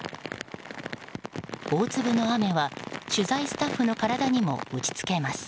大粒の雨は取材スタッフの体にも打ちつけます。